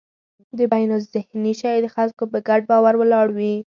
بینالذهني شی د خلکو په ګډ باور ولاړ وي.